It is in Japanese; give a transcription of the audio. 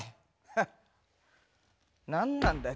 フッ何なんだよ